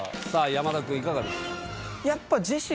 山田くんいかがですか？